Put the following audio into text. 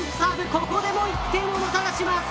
ここでも１点をもたらします。